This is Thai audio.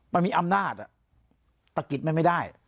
มันมีอำนาจตะกิดมันไม่ได้